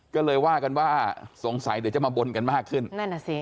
ก็เลยว่ากันว่าสงสัยเดี๋ยวจะมาบนกันมากขึ้นนั่นอ่ะสิ